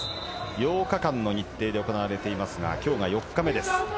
８日間の日程で行われていますが、今日が４日目です。